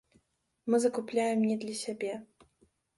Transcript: Мы закупляем не для сябе.